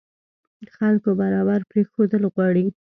خلکو برابر پرېښودل غواړي.